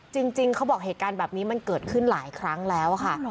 จริงเขาบอกเหตุการณ์แบบนี้มันเกิดขึ้นหลายครั้งแล้วค่ะ